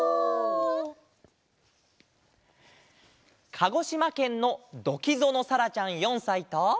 かごしまけんのどきぞのさらちゃん４さいと。